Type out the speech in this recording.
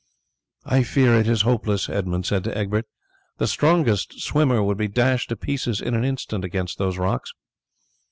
"I fear it is hopeless," Edmund said to Egbert; "the strongest swimmer would be dashed to pieces in an instant against those rocks."